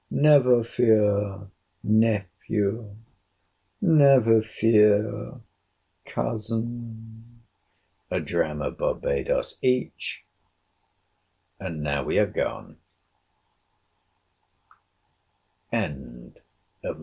Never fear, Nephew!— Never fear, Cousin. A dram of Barbadoes each— And now we are gone— LETTER XI MR.